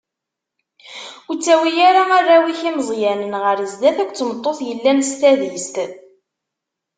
Ur ttawi ara arraw-ik imeẓyanen ɣer sdat akked tmeṭṭut yellan s tadist.